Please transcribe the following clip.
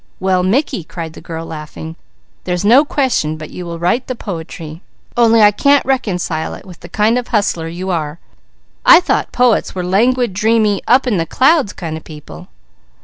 "Well Mickey!" cried the girl laughing. "There's no question but you will write the poetry, only I can't reconcile it with the kind of a hustler you are. I thought poets were languid, dreamy, up in the clouds kind of people."